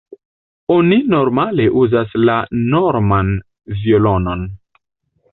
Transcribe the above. Oni normale uzas la norman violonon.